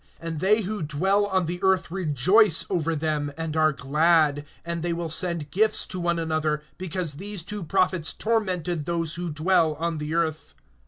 (10)And they who dwell on the earth rejoice ever them, and are glad; and they will send gifts to one another, because these two prophets tormented those who dwell on the earth.